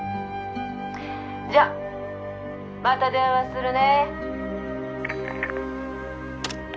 「じゃあまた電話するね」